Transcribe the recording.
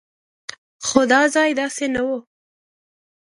خو دا ځای داسې نه و.